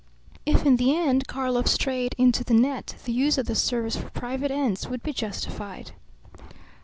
If in the end Karlov strayed into the net the use of the service for private ends would be justified.